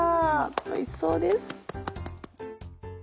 おいしそうです。